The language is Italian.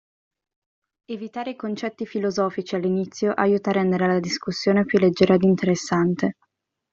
Evitare i concetti filosofici all'inizio aiuta a rendere la discussione più leggera ed interessante.